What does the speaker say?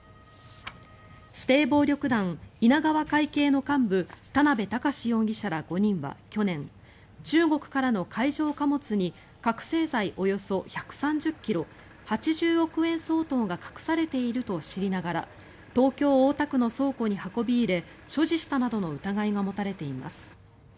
指定暴力団稲川会系の幹部田辺高士容疑者ら５人は去年中国からの海上貨物に覚醒剤およそ１３０ｋｇ８０億円相当が隠されていると知りながら東京・大田区の倉庫に運び入れ所持したなどの疑いが持たれています。